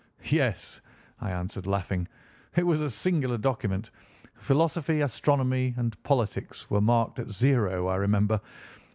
"Yes," I answered, laughing. "It was a singular document. Philosophy, astronomy, and politics were marked at zero, I remember.